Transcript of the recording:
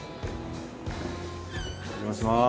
お邪魔します。